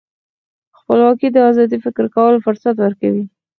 خپلواکي د ازاد فکر کولو فرصت ورکوي.